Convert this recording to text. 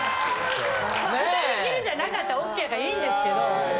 ２人きりじゃなかったらＯＫやからいいんですけど。